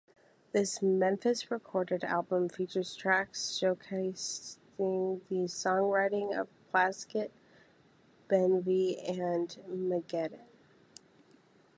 The Memphis-recorded album features tracks showcasing the songwriting of Plaskett, Benvie and McGettigan.